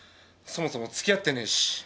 そもそもつきあってねえし。